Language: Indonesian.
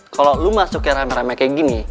kalo lo masuk ke rame rame kayak gini